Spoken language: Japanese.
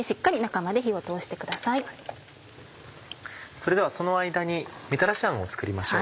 それではその間にみたらしあんを作りましょう。